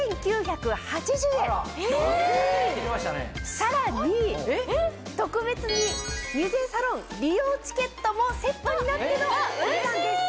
さらに特別にミュゼサロン利用チケットもセットになってのお値段です。